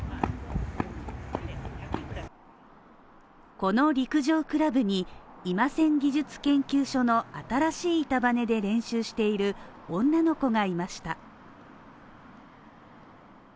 この陸上クラブに今仙技術研究所の新しい板バネで練習している女の子がいました